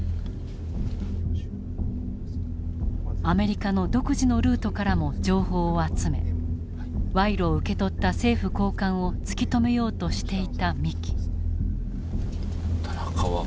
アメリカの独自のルートからも情報を集め賄賂を受け取った政府高官を突き止めようとしていた三木。